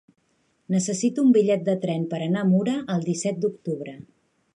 Necessito un bitllet de tren per anar a Mura el disset d'octubre.